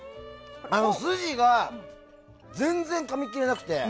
すじが、全然かみ切れなくて。